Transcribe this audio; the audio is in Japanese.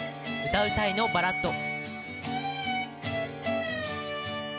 「歌うたいのバラッド」。